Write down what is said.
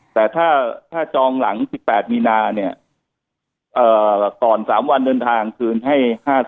แต่ถ้าจองหลัง๑๘มีนาเนี่ยก่อน๓วันเดินทางคืนให้๕๐